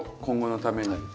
今後のために。